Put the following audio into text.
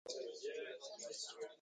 Na finnau.